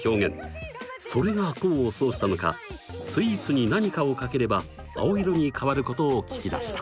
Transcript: それが功を奏したのかスイーツに何かをかければ青色に変わることを聞き出した。